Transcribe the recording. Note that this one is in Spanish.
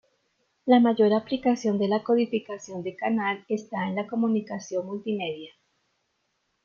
La mayor aplicación de la codificación de canal está en la comunicación multimedia.